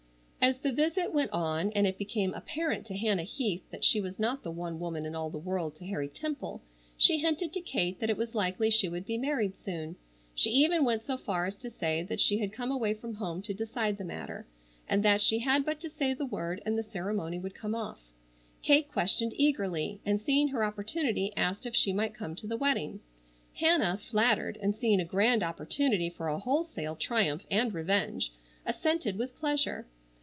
As the visit went on and it became apparent to Hannah Heath that she was not the one woman in all the world to Harry Temple, she hinted to Kate that it was likely she would be married soon. She even went so far as to say that she had come away from home to decide the matter, and that she had but to say the word and the ceremony would come off. Kate questioned eagerly, and seeing her opportunity asked if she might come to the wedding. Hannah, flattered, and seeing a grand opportunity for a wholesale triumph and revenge, assented with pleasure.